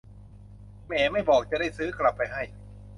แหม่ ไม่บอก จะได้ซื้อกลับไปให้